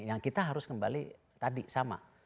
ya kita harus kembali tadi sama